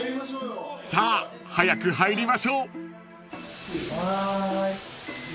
［さあ早く入りましょう］